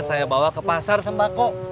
saya bawa ke pasar sembako